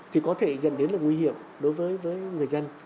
thì có thể dẫn đến là nguy hiểm đối với người dân